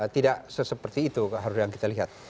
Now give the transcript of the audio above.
tidak seseperti itu yang harus kita lihat